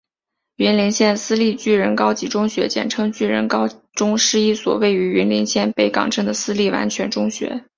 云林县私立巨人高级中学简称巨人高中是一所位于云林县北港镇的私立完全中学。